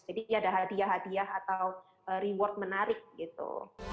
jadi ya ada hadiah hadiah atau reward menarik gitu